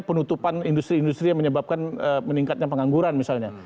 penutupan industri industri yang menyebabkan meningkatnya pengangguran misalnya